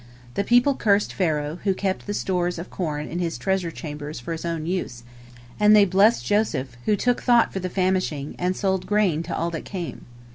The people cursed Pharaoh, who kept the stores of corn in his treasure chambers for his own use, and they blessed Joseph, who took thought for the famishing, and sold grain to all that came.